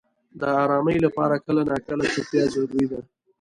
• د آرامۍ لپاره کله ناکله چوپتیا ضروري ده.